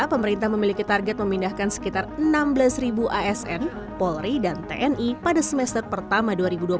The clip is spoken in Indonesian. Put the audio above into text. pemerintah memiliki target memindahkan sekitar enam belas asn polri dan tni pada semester pertama dua ribu dua puluh satu